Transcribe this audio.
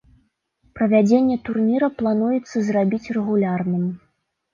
Правядзенне турніра плануецца зрабіць рэгулярным.